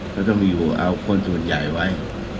ก็ต้องเอาคนส่วนใหญ่ไว้